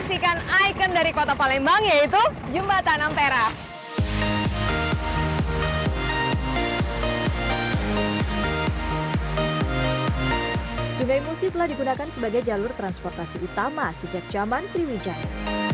sungai musi telah digunakan sebagai jalur transportasi utama sejak zaman sriwijaya